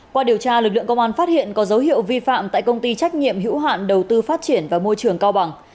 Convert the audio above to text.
qua điều tra lực lượng công an phát hiện có dấu hiệu vi phạm tại công ty trách nhiệm hữu hạn đầu tư phát triển và môi trường cao bằng